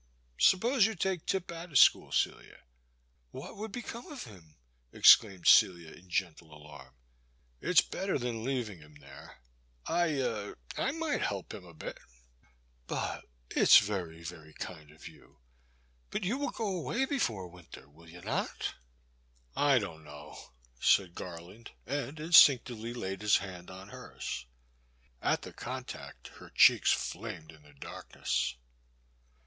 Suppose you take Tip out of school, Celia. *' What would become of him ?exclaimed Celia in gentle alarm. It *s better than leaving him there. I — er — I might help him a bit. But — it *s very, very kind of you — ^but you will go away before winter — ^will you not ?254 '^f^ Boys Sister. I don't know, '* said Garland, and instinctively laid his hand on hers. At the contact, her cheeks flamed in the darkness.